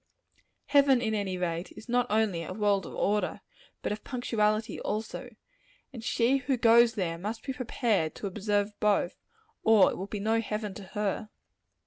Heaven, in any event, is not only a world of order, but of punctuality also; and she who goes there, must be prepared to observe both, or it will be no heaven to her.